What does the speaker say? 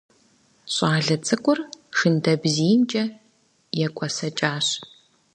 Щӏалэ цӏыкӏур шындэбзиймкӏэ екӏуэсэкӏащ.